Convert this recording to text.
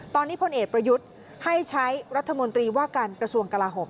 ตอนนี้พลเอกประยุทธ์ให้ใช้รัฐมนตรีว่าการกระทรวงกลาโหม